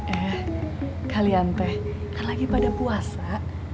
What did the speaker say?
eh kalian teh kan lagi pada puasa